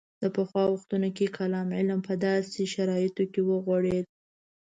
د پخوا وختونو کې کلام علم په داسې شرایطو کې وغوړېد.